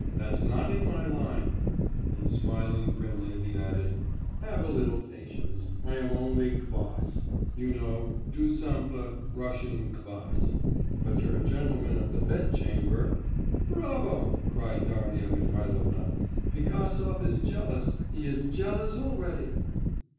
that's not in my line;' and smiling grimly he added, 'have a little patience; I am only kvas, you know, du simple Russian kvas; but your Gentleman of the Bedchamber ' 'Bravo!' cried Darya Mihailovna, 'Pigasov is jealous, he is jealous already!